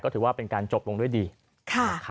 ถือว่าเป็นการจบลงด้วยดี